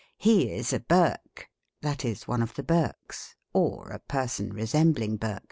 He is a Burke ; that is, one of the Burkes, or a person resembling Burke.